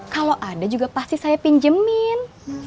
kalau ada juga pasti saya pinjemin